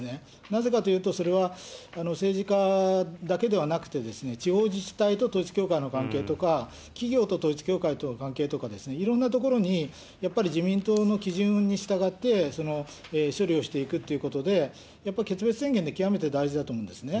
なぜかというと、それは政治家だけではなくて、地方自治体と統一教会の関係とか、企業と統一教会との関係とかですね、いろんなところにやっぱり自民党の基準に従って処理をしていくということで、やっぱり決別宣言って極めて大事だと思うんですね。